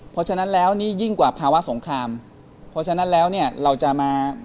เพราะฉะนั้นแล้วนี่ยิ่งกว่าภาวะสงครามเพราะฉะนั้นแล้วเนี่ยเราจะมา